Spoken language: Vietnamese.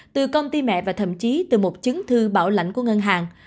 từ công ty mẹ và thậm chí từ một chứng thư bảo lãnh của ngân hàng